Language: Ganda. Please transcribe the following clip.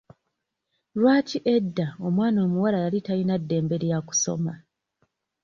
Lwaki edda omwana omuwala yali talina ddembe lya kusoma?